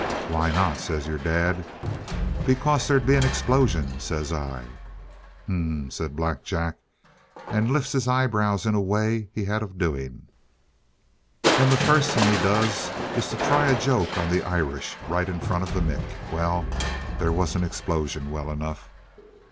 "'Why not?' says your dad. "'Because there'd be an explosion,' says I. "'H'm,' says Black Jack, and lifts his eyebrows in a way he had of doing. "And the first thing he does is to try a joke on the Irish right in front of the Mick. Well, there was an explosion, well enough."